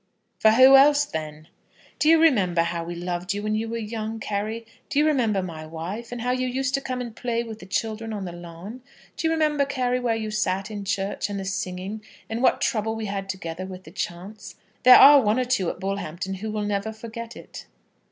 "] "For who else, then?" "Do you remember how we loved you when you were young, Carry? Do you remember my wife, and how you used to come and play with the children on the lawn? Do you remember, Carry, where you sat in church, and the singing, and what trouble we had together with the chaunts? There are one or two at Bullhampton who never will forget it?"